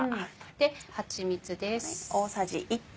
ではちみつです。